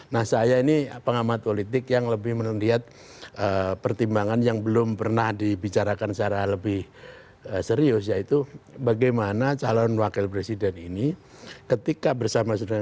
nah saya ini pengamat politik yang lebih melihat pertimbangan yang belum pernah dibicarakan secara lebih serius yaitu bagaimana calon wakil presiden ini ketika bersama saudara